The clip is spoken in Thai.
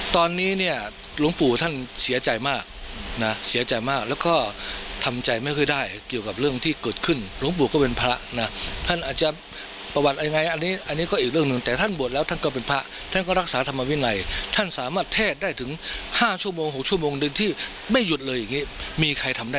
ตอนนี้เนี่ยหลวงปู่ท่านเสียใจมากนะเสียใจมากแล้วก็ทำใจไม่ค่อยได้เกี่ยวกับเรื่องที่เกิดขึ้นหลวงปู่ก็เป็นพระนะท่านอาจจะประวัติยังไงอันนี้อันนี้ก็อีกเรื่องหนึ่งแต่ท่านบวชแล้วท่านก็เป็นพระท่านก็รักษาธรรมวินัยท่านสามารถเทศได้ถึง๕ชั่วโมง๖ชั่วโมงดึงที่ไม่หยุดเลยอย่างนี้มีใครทำได้